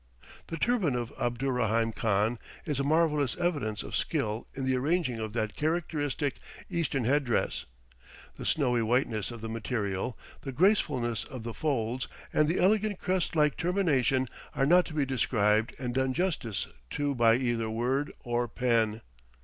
The turban of Abdurraheim Khan is a marvellous evidence of skill in the arranging of that characteristic Eastern head dress; the snowy whiteness of the material, the gracefulness of the folds, and the elegant crest like termination are not to be described and done justice to by either word or pen.